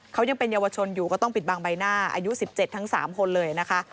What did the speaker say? เขายังเป็นเยาวชนอยู่ก็ต้องปิดบังใบหน้าอายุ๑๗ทั้ง๓คนเลยนะคะ